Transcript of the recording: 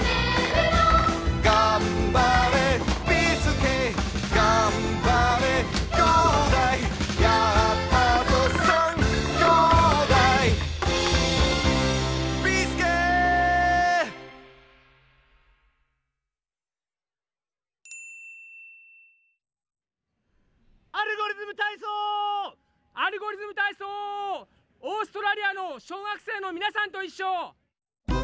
オーストラリアの小学生のみなさんといっしょ！